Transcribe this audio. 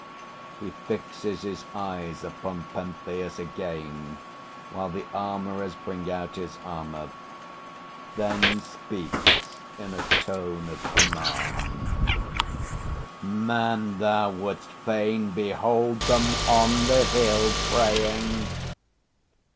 [He fixes his eyes upon PENTHEUS again, while the armourers bring out his armour; then speaks in a tone of command. Man, thou wouldst fain behold them on the hill Praying!